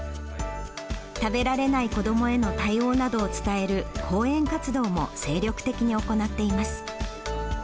食べられない子どもへの対応などを伝える講演活動も精力的に行っています。